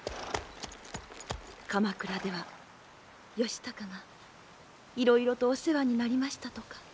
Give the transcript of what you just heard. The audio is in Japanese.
鎌倉では義高がいろいろとお世話になりましたとか。